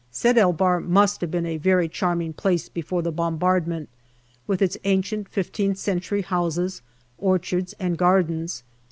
Sed el Bahr must have been a very charming place before the bombardment, with its ancient fifteenth century houses, orchards, and gardens.